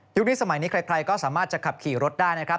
นี้สมัยนี้ใครก็สามารถจะขับขี่รถได้นะครับ